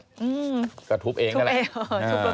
ถ้าเขาถูกจับคุณอย่าลืม